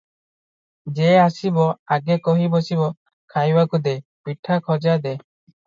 ଯେ ଆସିବ, ଆଗେ କହି ବସିବ ଖାଇବାକୁ ଦେ, ପିଠା ଖଜା ଦେ ।